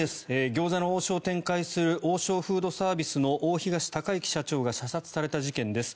餃子の王将を展開する王将フードサービスの大東隆行さんが射殺された事件です。